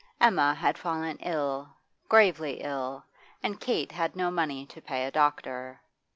Emma had fallen ill, gravely ill, and Kate had no money to pay a doctor.